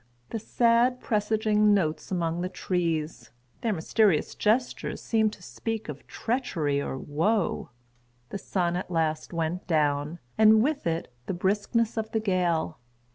The sad presaging notes among the trees—their mysterious gestures seemed to speak of treachery or wo. The sun at last went down, and with it the briskness of the gale.